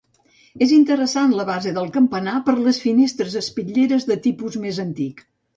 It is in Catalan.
És interessant la base del campanar per les finestres espitllerades de tipus més antic.